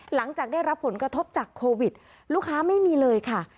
หลังจากได้รับผลกระทบจากโควิดลูกค้าไม่มีเลยค่ะ